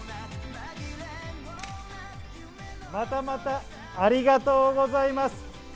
またまた、ありがとうございます！